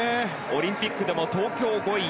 オリンピックでも東京５位。